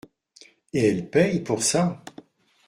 Et elle paye pour ça !…